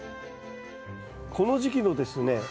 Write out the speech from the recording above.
この時期のですね